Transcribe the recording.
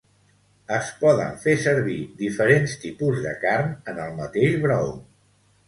Es poden fer servir diferents tipus de carn en el mateix brou.